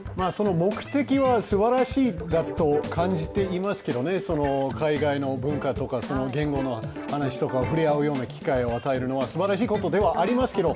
目的はすばらしいと感じていますけど、海外の文化とか言語の話とか、触れ合うような機会を与えるのはすばらしいことだと思いますけど、